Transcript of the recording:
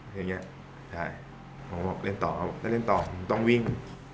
อย่างนี้ผมบอกเล่นต่อถ้าเล่นต่อต้องวิ่ง